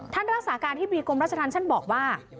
ท่านรักษาการอธิบดีกรมราชธรรมท่านบอกว่า